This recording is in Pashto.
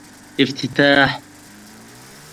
افتتاح